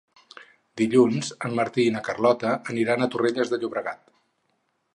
Dilluns en Martí i na Carlota aniran a Torrelles de Llobregat.